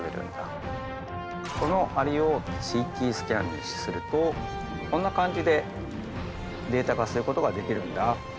このアリをＣＴスキャンするとこんな感じでデータ化することができるんだ。